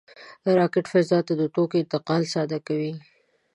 راکټ فضا ته د توکو انتقال ساده کوي